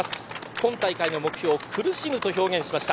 今大会の目標を苦しむと表現しました。